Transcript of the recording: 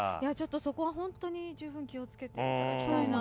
そこは本当に十分気を付けていただきたいなと。